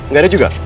gak ada juga